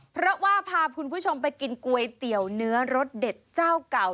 เพราะว่าพาคุณผู้ชมไปกินก๋วยเตี๋ยวเนื้อรสเด็ดเจ้าเก่า